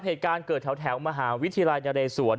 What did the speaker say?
เหตุการณ์เกิดแถวมหาวิทยาลัยนเรศวร